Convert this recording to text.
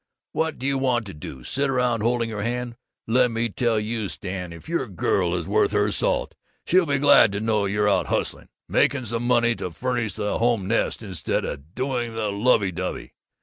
What do you want to do? Sit around holding her hand? Let me tell you, Stan, if your girl is worth her salt, she'll be glad to know you're out hustling, making some money to furnish the home nest, instead of doing the lovey dovey.